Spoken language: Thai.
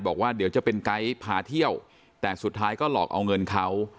บอกว่าเดี๋ยวจะเป็นไกด์พาเที่ยวแต่สุดท้ายก็หลอกเอาเงินเขา